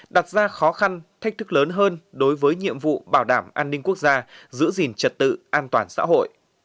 đặt ra khó khăn thách thức lớn hơn đối với nhiệm vụ bảo đảm an ninh quốc gia giữ gìn trật tự an toàn xã hội